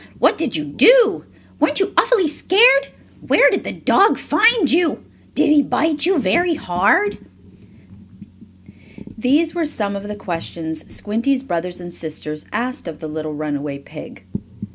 "What did you do?" "Weren't you awfully scared?" "Where did the dog find you?" "Did he bite you very hard?" These were some of the questions Squinty's brothers and sisters asked of the little runaway pig.